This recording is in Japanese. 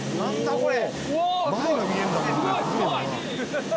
これ！